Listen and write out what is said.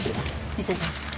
見せて。